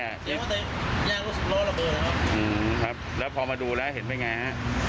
ย่างรถสันโลระเบิดแล้วพอมาดูแล้วเห็นเป็นไง